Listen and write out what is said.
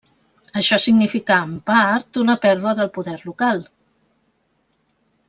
Això significà en part una pèrdua del poder local.